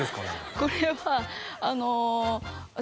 これは私